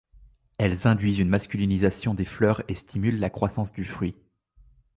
Elles induisent une masculinisation des fleurs et stimulent la croissance du fruit.